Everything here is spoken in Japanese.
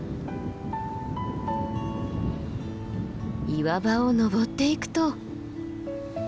岩場を登っていくと。